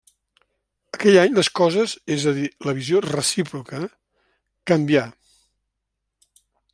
Aquell any les coses, és a dir la visió recíproca, canvià.